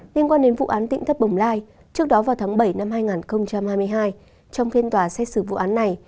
liên quan đến vụ án tỉnh thất bồng lai trước đó vào tháng bảy năm hai nghìn hai mươi hai trong phiên tòa xét xử vụ án này